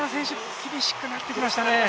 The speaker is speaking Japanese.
厳しくなってきましたね。